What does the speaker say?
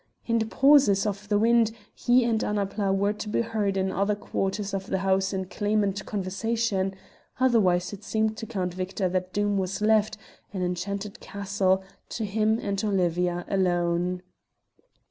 In pauses of the wind he and Annapla were to be heard in other quarters of the house in clamant conversation otherwise it had seemed to Count Victor that Doom was left, an enchanted castle, to him and Olivia alone.